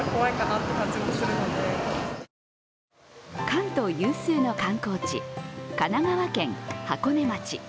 関東有数の観光地、神奈川県箱根町。